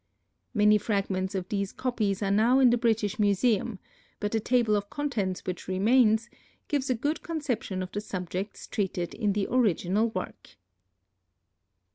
Many fragments of these copies are now in the British Museum, but the table of contents which remains gives a good conception of the subjects treated in the original work.